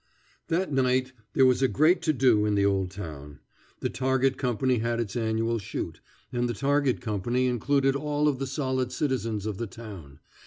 That night there was a great to do in the old town. The target company had its annual shoot, and the target company included all of the solid citizens of the town.